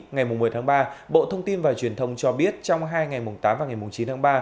ngày một mươi tháng ba bộ thông tin và truyền thông cho biết trong hai ngày tám và ngày chín tháng ba